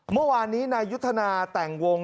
เมื่อวานนี้นายยุทธนาแต่งวง